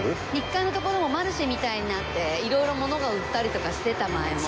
１階の所もマルシェみたいになっていろいろ物が売ったりとかしてた前も。